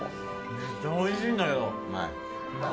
めっちゃおいしいんだけど。